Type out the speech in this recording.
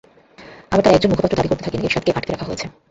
আবার তাঁর একজন মুখপাত্র দাবি করতে থাকেন, এরশাদকে আটকে রাখা হয়েছে।